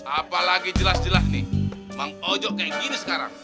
apalagi jelas jelas nih bang ojo kaya gini sekarang